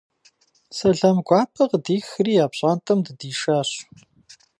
Сэлам гуапэ къыдихри я пщӏантӏэм дыдишащ.